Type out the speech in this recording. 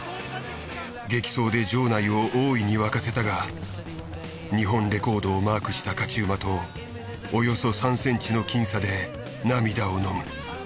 激走で場内を大いに沸かせたが日本レコードをマークした勝ち馬とおよそ３センチの僅差で涙をのむ。